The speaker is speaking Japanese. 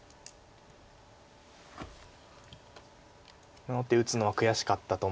この手打つのは悔しかったと思います。